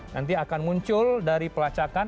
nanti akan muncul dari pelacakan